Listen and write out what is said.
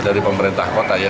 dari pemerintah kota